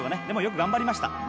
でもよく頑張りました。